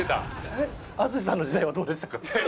淳さんの時代はどうでしたか？